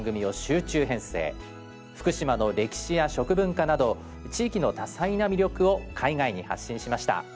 福島の歴史や食文化など地域の多彩な魅力を海外に発信しました。